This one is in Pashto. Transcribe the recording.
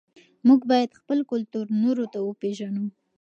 موږ باید خپل کلتور نورو ته وپېژنو.